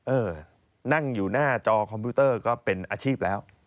เออนั่งอยู่หน้าจอคอมพิวเตอร์ก็เป็นอาชีพแล้ว